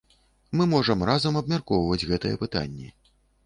Мы можам разам абмяркоўваць гэтыя пытанні.